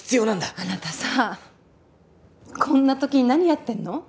あなたさこんな時に何やってんの？